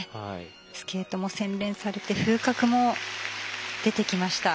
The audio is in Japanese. スケートも洗練されて風格も出てきました。